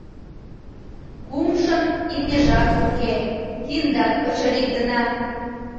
Кумшын имньыжат уке, киндат пычырик гына.